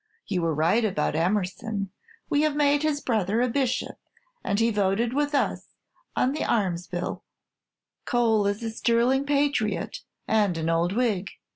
You were right about Emerson. We have made his brother a Bishop, and he voted with us on the Arms Bill. Cole is a sterling patriot and an old Whig.